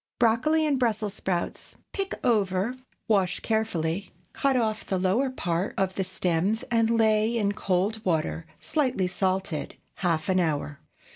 BROCCOLI AND BRUSSELS SPROUTS. Pick over, wash carefully, cut off the lower part of the stems and lay in cold water, slightly salted, half an hour.